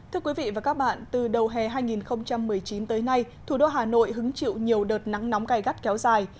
thưa quý vị và các bạn từ đầu hè hai nghìn một mươi chín tới nay thủ đô hà nội hứng chịu nhiều đợt nắng nóng cày gắt kéo dài